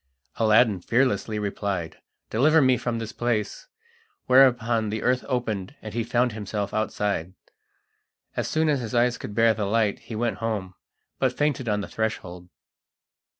Aladdin fearlessly replied: "Deliver me from this place!" whereupon the earth opened, and he found himself outside. As soon as his eyes could bear the light he went home, but fainted on the threshold.